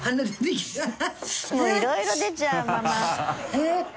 もういろいろ出ちゃうママ。